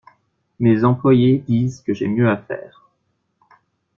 Mes employés disent que j'ai mieux à faire.